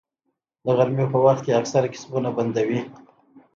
د غرمې په وخت کې اکثره کسبونه بنده وي